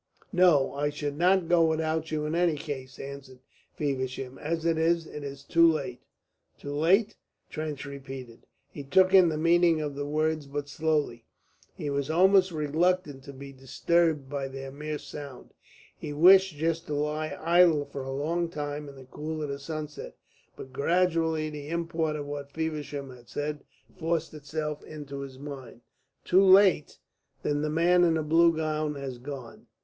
"No, I should not go without you in any case," answered Feversham. "As it is, it is too late." "Too late?" Trench repeated. He took in the meaning of the words but slowly; he was almost reluctant to be disturbed by their mere sound; he wished just to lie idle for a long time in the cool of the sunset. But gradually the import of what Feversham had said forced itself into his mind. "Too late? Then the man in the blue gown has gone?"